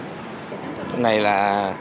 cái này là